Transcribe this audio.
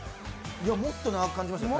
もっと長く感じましたね。